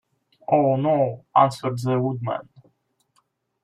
"Oh, no;" answered the Woodman.